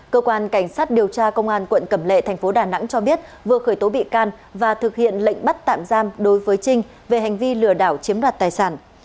cơ quan cảnh sát điều tra công an quận cẩm lệ thành phố đà nẵng cho biết vừa khởi tố bị can và thực hiện lệnh bắt tạm giam đối với trinh về hành vi lừa đảo chiếm đoạt tài sản